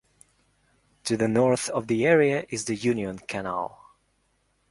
To the north of the area is the Union Canal.